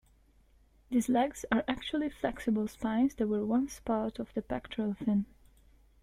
These legs are actually flexible spines that were once part of the pectoral fin.